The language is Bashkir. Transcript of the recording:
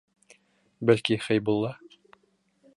Бәлки, Хәйбулла?